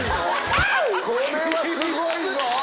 これはすごいぞ！